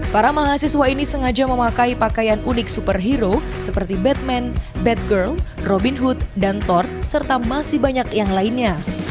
para mahasiswa ini sengaja memakai pakaian unik superhero seperti batman bad girl robin hood dan thor serta masih banyak yang lainnya